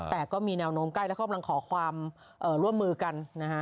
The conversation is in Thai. แต่ก็มีแนวโน้มใกล้และกำลังขอความร่วมมือกันนะฮะ